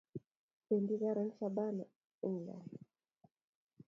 Pendi karon shabana England